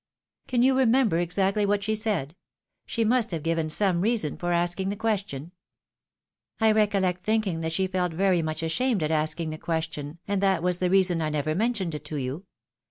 " Can you remember exactly what she said ? She must have given some reason for asking the question." " I recoUect thinking that she felt very much ashamed at asking the question, and that was the reason I never mentioned it to you.